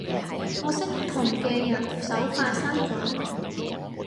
可惜同嘅人手快閂咗門